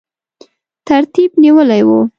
ترتیب نیولی وو.